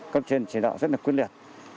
cấp trên chỉ đạo rất là quyết liệt